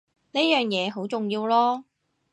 呢樣嘢好重要囉